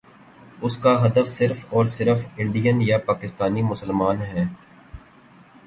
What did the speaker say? اس کا ہدف صرف اور صرف انڈین یا پاکستانی مسلمان ہیں۔